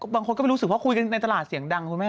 ก็ไม่รู้สึกว่าคุยกันในตลาดเสียงดังคุณแม่